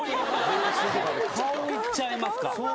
顔いっちゃいますか。